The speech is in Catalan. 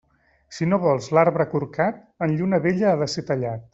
Si no vols l'arbre corcat, en lluna vella ha de ser tallat.